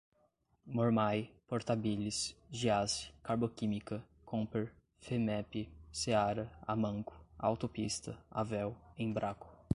Mormaii, Portabilis, Giassi, Carboquímica, Comper, Femepe, Seara, Amanco, Autopista, Avell, Embraco